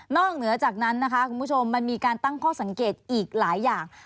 เหนือจากนั้นนะคะคุณผู้ชมมันมีการตั้งข้อสังเกตอีกหลายอย่าง